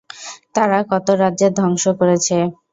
তারা কত রাজ্যের ধংস করেছে?